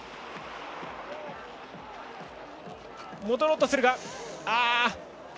戻ろうとするが。